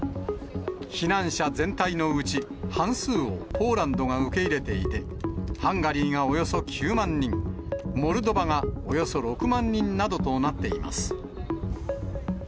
避難者全体のうち、半数をポーランドが受け入れていて、ハンガリーがおよそ９万人、モルドバがおよそ６万人などとなっています。